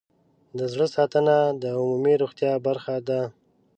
د زړه ساتنه د عمومي روغتیا برخه ده.